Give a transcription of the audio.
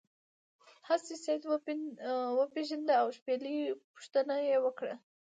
هغې سید وپیژنده او د شپیلۍ پوښتنه یې وکړه.